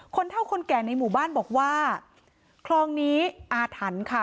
เท่าคนแก่ในหมู่บ้านบอกว่าคลองนี้อาถรรพ์ค่ะ